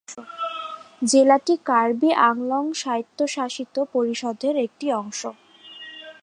জেলাটি কার্বি আংলং স্বায়ত্বশাসিত পরিষদের একটা অংশ।